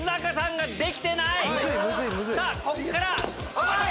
さぁこっから。